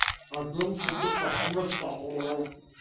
Angin sejuk berhembus dari laut.